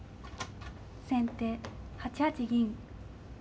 先手８八銀。